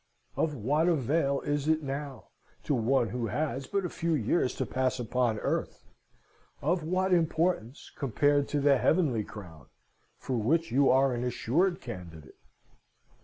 Of what avail is it now, to one who has but a few years to pass upon earth of what importance compared to the heavenly crown, for which you are an assured candidate?"